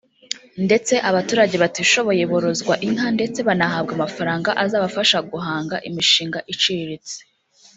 ndetse abaturage batishoboye borozwa inka ndetse banahabwa amafaranga azabafasha guhanga imishinga iciriritse